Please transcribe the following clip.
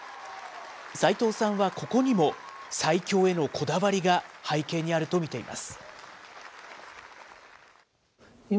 齋藤さんはここにも、最強へのこだわりが背景にあると見ています。